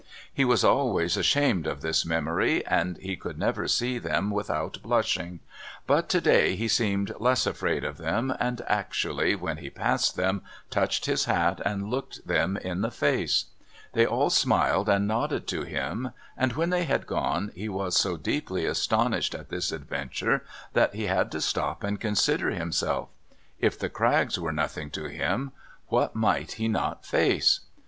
He was always ashamed of this memory, and he could never see them without blushing; but, to day, he seemed less afraid of them, and actually, when he passed them, touched his hat and looked them in the face. They all smiled and nodded to him, and when they had gone he was so deeply astonished at this adventure that he had to stop and consider himself. If the Craggs were nothing to him, what might he not face?